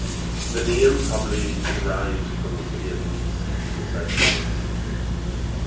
The name probably derives from the city of Nice in the south of France.